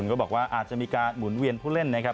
ก็บอกว่าอาจจะมีการหมุนเวียนผู้เล่นนะครับ